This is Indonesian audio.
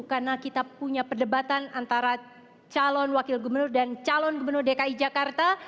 karena kita punya perdebatan antara calon wakil gubernur dan calon gubernur dki jakarta